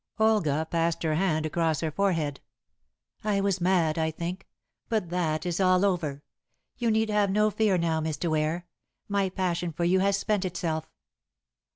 Olga passed her hand across her forehead. "I was mad, I think. But that is all over. You need have no fear now, Mr. Ware. My passion for you has spent itself."